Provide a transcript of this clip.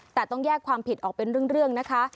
แต่ต้องแยกความผิดออกเป็นเรื่องนะคะ